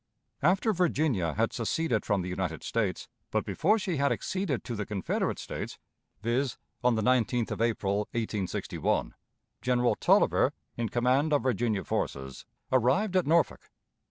After Virginia had seceded from the United States, but before she had acceded to the Confederate States viz., on the 19th of April, 1861 General Taliaferro, in command of Virginia forces, arrived at Norfolk.